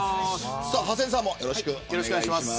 ハセンさんもよろしくお願いします。